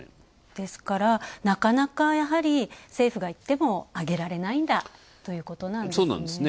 ですから、なかなか、やはり政府が言っても上げられないんだということなんですね。